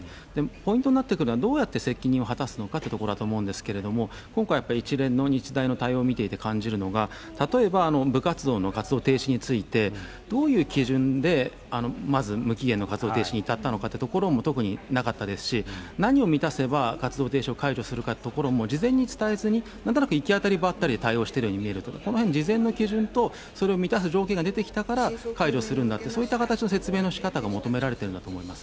ポイントになってくるのは、どうやって責任を果たすのかというところだと思うんですけれども、今回、やっぱり一連の日大の対応を見ていて感じるのが、例えば部活動の活動停止について、どういう基準でまず無期限の活動停止に至ったのかというところも特になかったですし、何を満たせば活動停止を解除するかってところも事前に伝えずに、なんとなく行き当たりばったりで対応してるように見える、このへん、事前の基準とそれを満たす条件が出てきたから解除するんだって、そういった形の説明のしかたが求められているんだと思います。